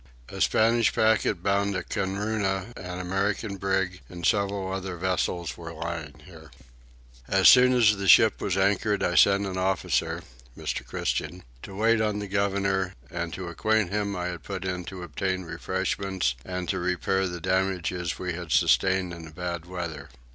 A Spanish packet bound to Corunna, an American brig, and several other vessels, were lying here. (*Footnote. South 82 degrees east by the compass.) As soon as the ship was anchored I sent an officer (Mr. Christian) to wait on the governor and to acquaint him I had put in to obtain refreshments and to repair the damages we had sustained in bad weather.